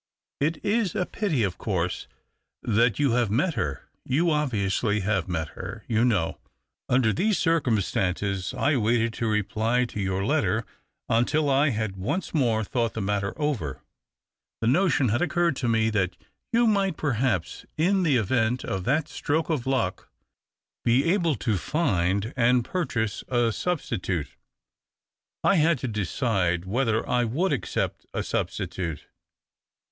It is a pity, of course, that you have met her — you obviously have met her, you know. Under these circumstances I waited to reply to your letter until I had once more thought the matter over. The notion had occurred to me that you might perhaps (in the event of that ' stroke of luck ') be able to find 218 THE OCTAVE OF CLAUDIUS. and purchase a substitute. I liad to decide whether I would accept a substitute.